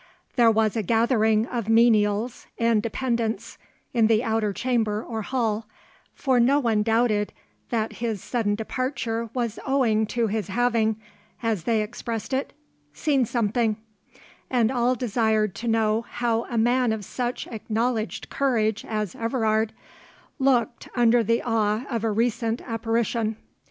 There was a gathering of menials and dependents in the outer chamber or hall, for no one doubted that his sudden departure was owing to his having, as they expressed it, "seen something," and all desired to know how a man of such acknowledged courage as Everard, looked under the awe of a recent apparition.